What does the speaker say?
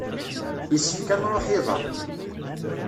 Yessefk ad nruḥ iḍ-a.